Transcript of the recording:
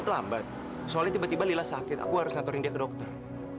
terlambat soalnya tiba tiba lila sakit aku harus ngaturin dia ke dokter